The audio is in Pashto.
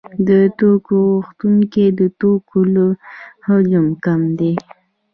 د توکو غوښتونکي د توکو له حجم کم دي